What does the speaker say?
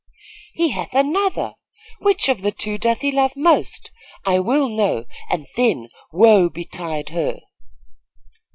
"He hath another! Which of the two doth he love most? I will know, and then woe betide her!"